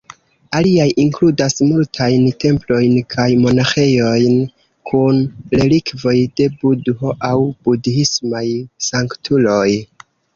Aliaj inkludas multajn templojn kaj monaĥejojn kun relikvoj de Budho aŭ budhismaj sanktuloj.